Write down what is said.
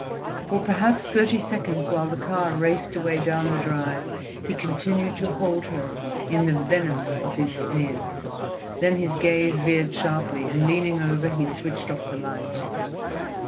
For perhaps thirty seconds, while the car raced away down the drive, he continued to hold her in the venom of her sneer; then his gaze veered sharply, and leaning over he switched off the light.